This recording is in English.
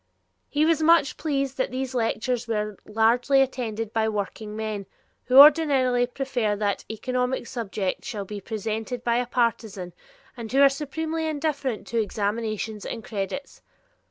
He was much pleased that these lectures were largely attended by workingmen who ordinarily prefer that an economic subject shall be presented by a partisan, and who are supremely indifferent to examinations and credits.